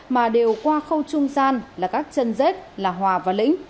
mà đều qua khâu trung gian là các chân rết là hòa và lĩnh